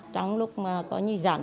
trong lúc mà có nhiều dịch dạng